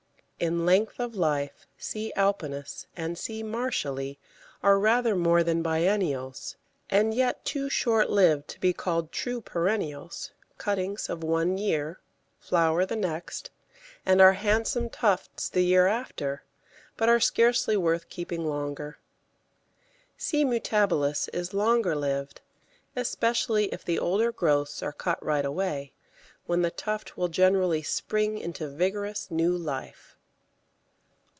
In length of life C. alpinus and C. Marshalli are rather more than biennials, and yet too short lived to be called true perennials; cuttings of one year flower the next, and are handsome tufts the year after, but are scarcely worth keeping longer. C. mutabilis is longer lived, especially if the older growths are cut right away, when the tuft will generally spring into vigorous new life.